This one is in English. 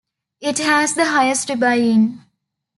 It has the highest buy-in.